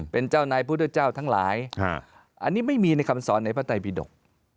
เป็นเจ้านายพุทธเจ้าทั้งหลายอันนี้ไม่มีในคำสอนในพระไตบิดก